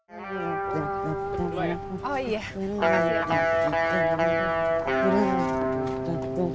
abang tukang ojek kan